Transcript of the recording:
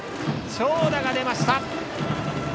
長打が出ました。